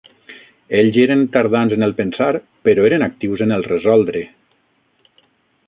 Ells eren tardans en el pensar, però eren actius en el resoldre.